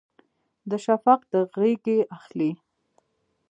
د شفق د غیږې اخلي